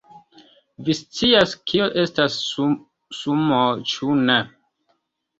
Vi scias, kio estas sumoo, ĉu ne?